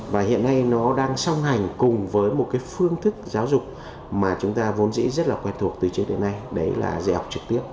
và hiện nay nó đang song hành cùng với một cái phương thức giáo dục mà chúng ta vốn dĩ rất là quen thuộc từ trước đến nay đấy là dạy học trực tiếp